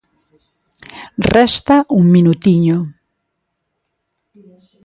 Resta un minutiño.